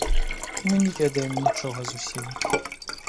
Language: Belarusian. Мы не ведаем нічога зусім.